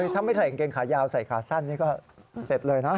ถ้าไม่ใส่กางเกงขายาวใส่ขาสั้นนี่ก็เสร็จเลยนะ